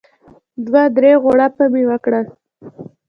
دوه درې غوړپه مې وکړل.